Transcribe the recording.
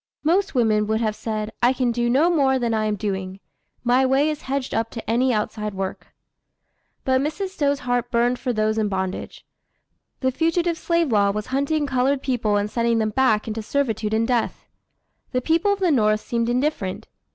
Most women would have said, "I can do no more than I am doing. My way is hedged up to any outside work." But Mrs. Stowe's heart burned for those in bondage. The Fugitive Slave Law was hunting colored people and sending them back into servitude and death. The people of the North seemed indifferent.